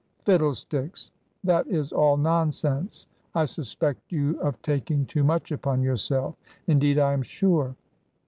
" Fiddlesticks ! That is all nonsense. I suspect you of taking too much upon yourself. Indeed, I am sure."